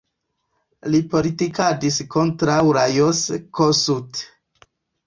Li politikadis kontraŭ Lajos Kossuth.